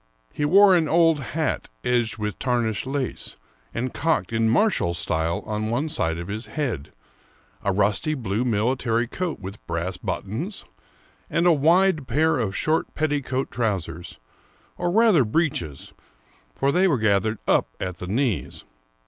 He wore an old hat edged with tarnished lace, and cocked in martial style on one side of his head ; a rusty ^ blue military coat with brass buttons ; and a wide pair of short petticoat trousers, — or rather breeches, for they were gathered up at the knees.